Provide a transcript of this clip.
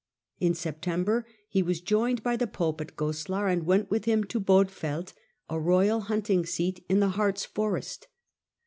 In September he was joined by the pope at Goslar, and went with him to Bodfeld, a royal hunting seat in the Harz forest.